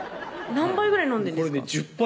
何杯ぐらい飲んでんですか？